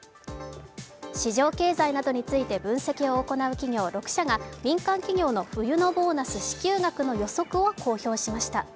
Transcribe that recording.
市場経済などについて分析を行う企業６社が民間企業の冬のボーナス支給額の予測を公表しました。